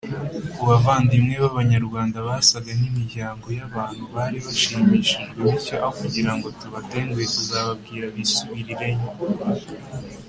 ku bavandimwe b Abanyarwanda basaga n imiryango yabo n abantu bari bashimishijwe bityo aho kugirango tubatenguhe tuzababwira bisubirireyo